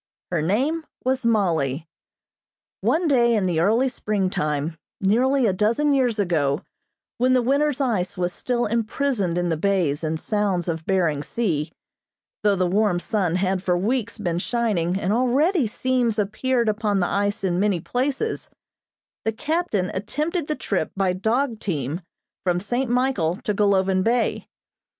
Her name was Mollie. One day in the early springtime, nearly a dozen years ago, when the winter's ice was still imprisoned in the bays and sounds of Behring Sea, though the warm sun had for weeks been shining and already seams appeared upon the ice in many places, the captain attempted the trip by dog team from St. Michael to Golovin Bay.